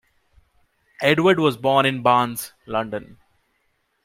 Edwards was born in Barnes, London.